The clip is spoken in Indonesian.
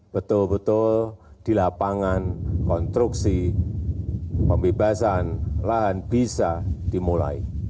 betul betul di lapangan konstruksi pembebasan lahan bisa dimulai